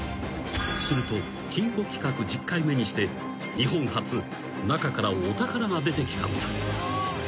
［すると金庫企画１０回目にして日本初中からお宝が出てきたのだ］